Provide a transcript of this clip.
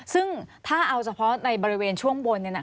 ซึ่งถ้าเอาเฉพาะในบริเวณช่วงบน